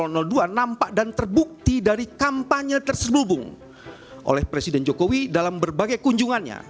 nampak dan terbukti dari kampanye terselubung oleh presiden jokowi dalam berbagai kunjungannya